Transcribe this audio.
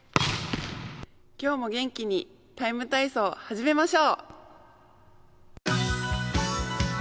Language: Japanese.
今日も元気に「ＴＩＭＥ，体操」始めましょう！